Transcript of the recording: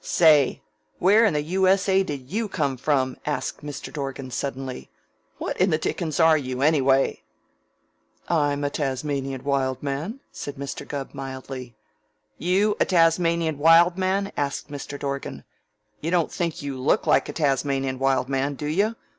"Say! Where in the U.S.A. did you come from?" asked Mr. Dorgan suddenly. "What in the dickens are you, anyway?" "I'm a Tasmanian Wild Man," said Mr. Gubb mildly. "You a Tasmanian Wild Man?" said Mr. Dorgan. "You don't think you look like a Tasmanian Wild Man, do you?